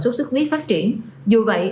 sốt xuất huyết phát triển dù vậy